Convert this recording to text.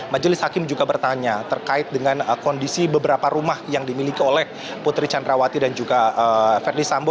majelis hakim juga bertanya terkait dengan kondisi beberapa rumah yang dimiliki oleh putri candrawati dan juga verdi sambo